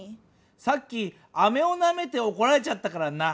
さっきあめをなめておこられちゃったからな。